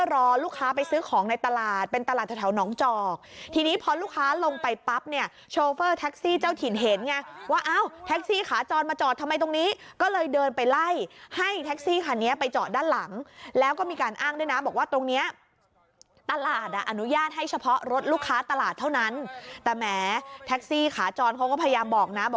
รอลูกค้าไปซื้อของในตลาดเป็นตลาดแถวหนองจอกทีนี้พอลูกค้าลงไปปั๊บเนี่ยโชเฟอร์แท็กซี่เจ้าถิ่นเห็นไงว่าอ้าวแท็กซี่ขาจรมาจอดทำไมตรงนี้ก็เลยเดินไปไล่ให้แท็กซี่คันนี้ไปจอดด้านหลังแล้วก็มีการอ้างด้วยนะบอกว่าตรงเนี้ยตลาดอ่ะอนุญาตให้เฉพาะรถลูกค้าตลาดเท่านั้นแต่แหมแท็กซี่ขาจรเขาก็พยายามบอกนะบอก